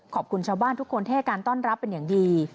ขอบคุณชาวบ้านทุกคนที่ให้การต้อนรับเป็นอย่างดี